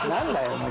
お前。